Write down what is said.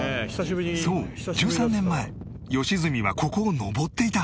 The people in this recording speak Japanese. そう１３年前良純はここを上っていた